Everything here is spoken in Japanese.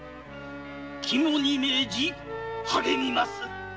肝に命じ励みまする。